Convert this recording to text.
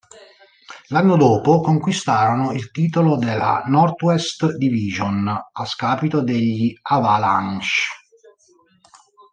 L'anno dopo conquistarono il titolo della Northwest Division a scapito degli Avalanche.